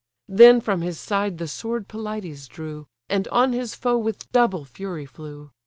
Then from his side the sword Pelides drew, And on his foe with double fury flew.